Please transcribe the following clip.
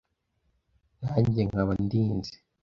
na njye nkaba ndinze